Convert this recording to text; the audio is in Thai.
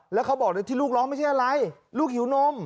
แล้วเขาบอกที่ลูกร้องไม่ใช่อะไรลูกหิวนม